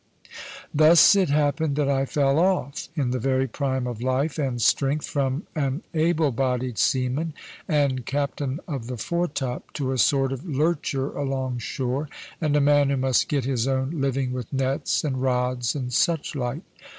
Thus it happened that I fell off, in the very prime of life and strength, from an able bodied seaman and captain of the foretop to a sort of lurcher along shore, and a man who must get his own living with nets and rods and suchlike.